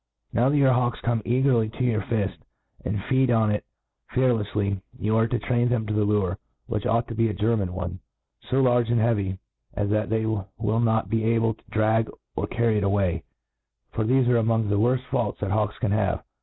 NOW that your hawks come eagerly to your fill, and feed on it fcarlefely , you are to train them to the lure, which ought to be a German one, ft) large and heavy, a$ that they will not be able to drag or carry it away; forthefe are arpongthe worft faulty that hawks caii have.